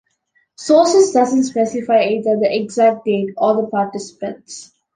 Sources doesn't specify either the exact date or the participants.